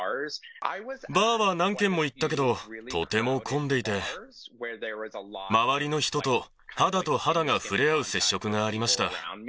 バーは何軒も行ったけど、とても混んでいて、周りの人と肌と肌が触れ合う接触がありました。